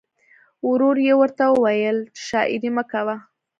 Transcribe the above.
ورور یې ورته وویل چې شاعري مه کوه